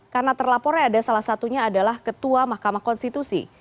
karena terlapornya ada salah satunya adalah ketua mahkamah konstitusi